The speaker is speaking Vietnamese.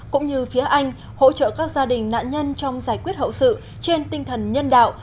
cũng như phía anh hỗ trợ các gia đình nạn nhân trong giải quyết hậu sự trên tinh thần nhân đạo